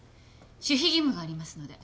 守秘義務がありますので。